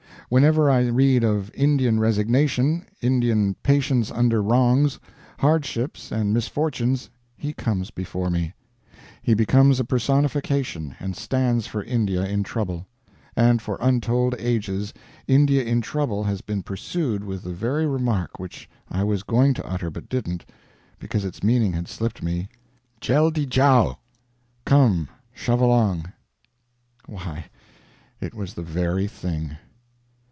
Whenever I read of Indian resignation, Indian patience under wrongs, hardships, and misfortunes, he comes before me. He becomes a personification, and stands for India in trouble. And for untold ages India in trouble has been pursued with the very remark which I was going to utter but didn't, because its meaning had slipped me: "Jeldy jow!" ("Come, shove along!") Why, it was the very thing.